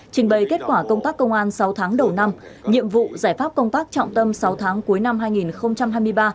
trình bày kết quả công tác công an sáu tháng đầu năm nhiệm vụ giải pháp công tác trọng tâm sáu tháng cuối năm hai nghìn hai mươi ba